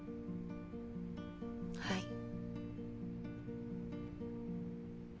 はい。